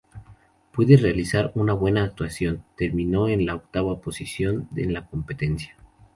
Pese a realizar una buena actuación, terminó en la octava posición en la competencia.